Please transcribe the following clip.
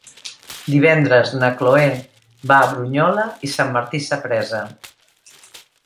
Divendres na Chloé va a Brunyola i Sant Martí Sapresa.